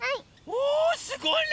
おすごいね！